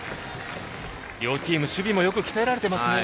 両チーム、守備もよく鍛えられていますね。